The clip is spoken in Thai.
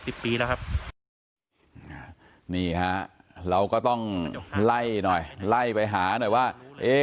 ครับอ่านี่ฮะเราก็ต้องไล่หน่อยไล่ไปหาหน่อยว่าเอ๊